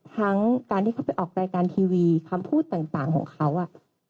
ทั้งการที่เขาไปออกรายการทีวีคำพูดต่างของเขาอ่ะ